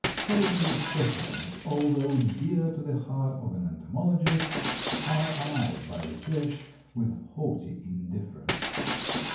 Solitary specimens, although dear to the heart of an entomologist, are eyed by the fish with haughty indifference.